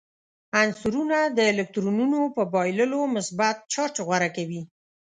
عنصرونه د الکترونونو په بایللو مثبت چارج غوره کوي.